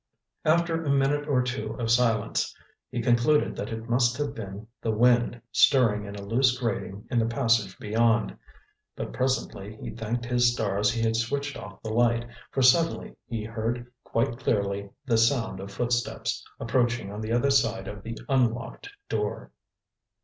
After a minute or two of silence he concluded that it must have been the wind stirring in a loose grating in the passage beyond. But presently he thanked his stars he had switched off the light, for suddenly he heard quite clearly the sound of footsteps, approaching on the other side of the unlocked door.